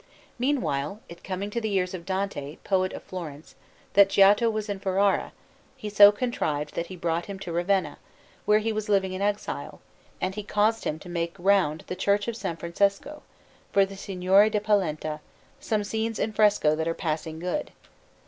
Meanwhile, it coming to the ears of Dante, poet of Florence, that Giotto was in Ferrara, he so contrived that he brought him to Ravenna, where he was living in exile; and he caused him to make round the Church of S. Francesco, for the Signori da Polenta, some scenes in fresco that are passing good.